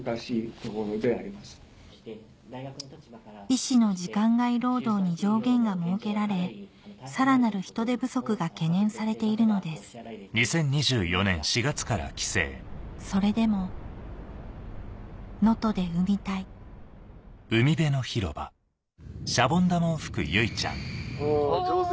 医師の時間外労働に上限が設けられさらなる人手不足が懸念されているのですそれでも能登で産みたいお上手。